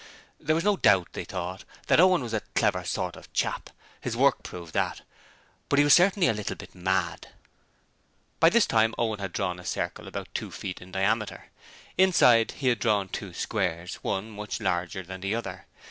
There was no doubt, they thought, that Owen was a clever sort of chap: his work proved that: but he was certainly a little bit mad. By this time Owen had drawn a circle about two feet in diameter. Inside he had drawn two squares, one much larger than the other.